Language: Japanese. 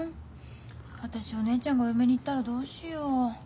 私お姉ちゃんがお嫁に行ったらどうしよう。